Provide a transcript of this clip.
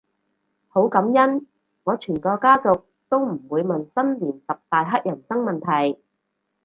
好感恩我全個家族都唔會問新年十大乞人憎問題